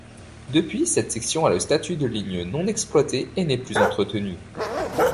Depuis cette section a le statut de ligne non exploitée et n'est plus entretenue.